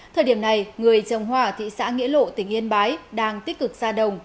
thời điểm này người trồng hoa ở thị xã nghĩa lộ tỉnh yên bái đang tích cực ra đồng